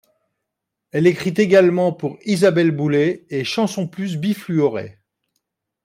Elle écrit également pour Isabelle Boulay et Chanson Plus Bifluorée.